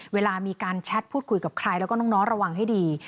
เวลามีการแชทพูดคุยกับใครแล้วก็น้องระวังให้ดี